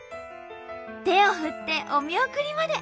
手を振ってお見送りまで。